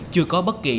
chưa có bất kỳ